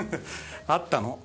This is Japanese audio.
会ったの？